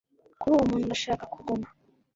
kuri uwo muntu ndashaka kuguma